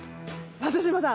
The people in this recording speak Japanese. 松嶋さん！